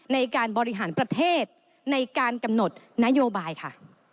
ในการบริหารประเทศในการกำหนดนโยบายค่ะ